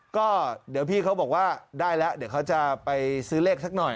ก็เดี๋ยวพี่เขาบอกว่าได้แล้วเดี๋ยวเขาจะไปซื้อเลขสักหน่อย